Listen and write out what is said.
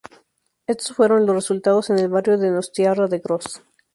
Estos fueron los resultados en el barrio donostiarra de Gros.